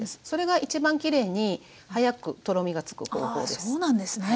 それが一番きれいに早くとろみがつく方法です。